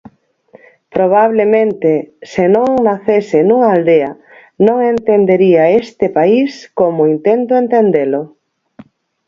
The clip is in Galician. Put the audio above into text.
Probablemente, se non nacese nunha aldea, non entendería este país como intento entendelo.